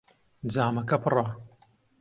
جامەکە پڕە.